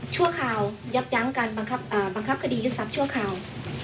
ชั่วคราวยับยั้งการบังคับคดียึดทรัพย์ชั่วคราว